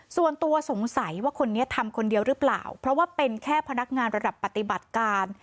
ส่วนตัวสงสัยว่าคนนี้ทำคนเดียวหรือเปล่าเพราะว่าเป็นแค่พนักงานระดับปฏิบัติการ